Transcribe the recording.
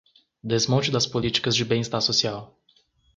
Desmonte das políticas de bem estar social